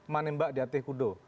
manembak di atas kuda